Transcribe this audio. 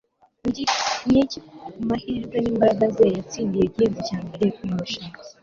Niki kumahirwe nimbaraga ze yatsindiye igihembo cya mbere mumarushanwa